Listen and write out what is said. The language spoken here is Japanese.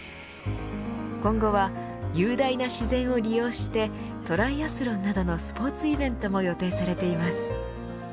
今後は、雄大な自然を利用してトライアスロンなどのスポーツイベントも予定されています。